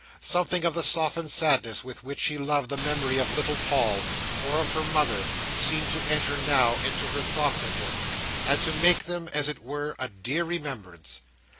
Something of the softened sadness with which she loved the memory of little Paul, or of her mother, seemed to enter now into her thoughts of him, and to make them, as it were, a dear remembrance.